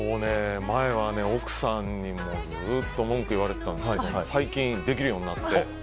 前は奥さんにもずっと文句を言われていたんですが最近、できるようになって。